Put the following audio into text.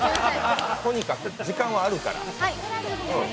とにかく時間はあるから。